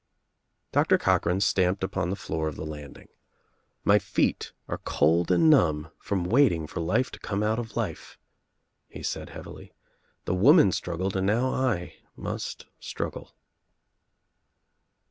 Doctor Cochran stamped upon the floor of the land ing. "My feet are cold and numb from waiting for life to come out of life," he said heavily. "The woman struggled and now I must struggle."